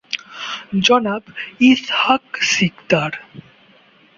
জনাব ইসহাক সিকদার